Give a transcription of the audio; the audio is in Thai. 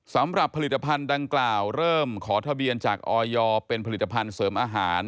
สำหรับผลิตภัณฑ์ดังกล่าวเริ่มขอทะเบียนจากออยเป็นผลิตภัณฑ์เสริมอาหาร